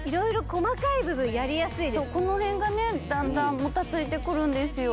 そうこの辺がねだんだんもたついてくるんですよ